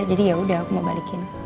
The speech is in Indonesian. jadi yaudah aku mau balikin